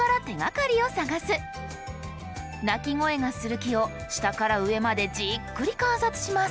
鳴き声がする木を下から上までじっくり観察します。